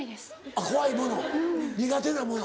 あっ怖いもの苦手なもの。